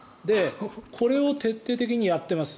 これを徹底的にやってます。